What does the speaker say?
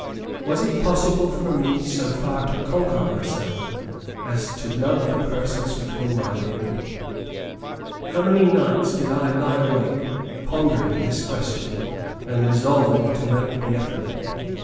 Was it possible for me so far to conquer myself, as to love the persons with whom I lived? How many nights did I lie awake pondering this question, and resolving to make the effort.